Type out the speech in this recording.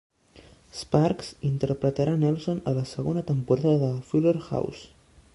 Sparks interpretarà Nelson a la segona temporada de "Fuller House".